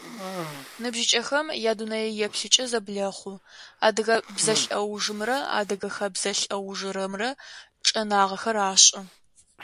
Ныбжьыкӏэхэм ядунэееплъыкӏэ зэблэхъу, адыгэ бзэлӏэужымрэ адыгэ хэбзэ лӏэужырэмрэ чӏэнагъэхэр ашӏы.